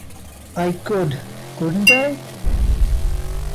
I could, couldn't I?